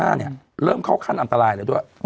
เริ่มเข้าขั้นอันตรายเลยด้วย